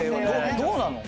どうなの？